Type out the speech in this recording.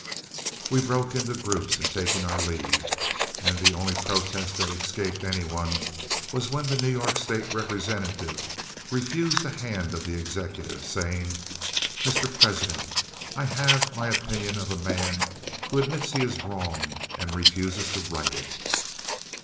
We broke into groups in taking our leave, and the only protest that escaped any one was when the York State representative refused the hand of the executive, saying, "Mr. President, I have my opinion of a man who admits he is wrong and refuses to right it."